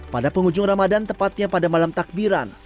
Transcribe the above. pada penghujung ramadan tepatnya pada malam takbiran